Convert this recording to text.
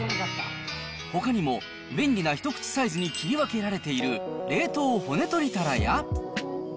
ほかにも便利な一口サイズに切り分けられている冷凍骨とりたらや。